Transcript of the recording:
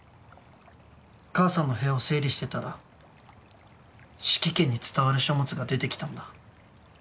母さんの部屋を整理してたら四鬼家に伝わる書物が出てきたんだ。